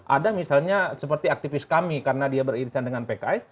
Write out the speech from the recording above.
ada misalnya seperti aktivis kami karena dia beririsan dengan pks